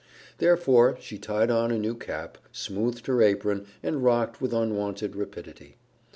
Therefore she tied on a new cap, smoothed her apron, and rocked with unwonted rapidity.